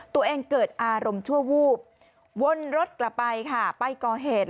ตัวเองเกิดอารมณ์ชั่ววูบวนรถกลับไปค่ะไปก่อเหตุ